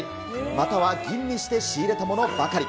または吟味して仕入れたものばかり。